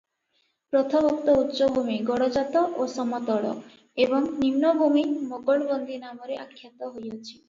ପ୍ରଥମୋକ୍ତ ଉଚ୍ଚଭୂମି ଗଡ଼ଜାତ ଓ ସମତଳ ଏବଂ ନିମ୍ନଭୂମି ମୋଗଲବନ୍ଦୀ ନାମରେ ଆଖ୍ୟାତ ହୋଇଅଛି ।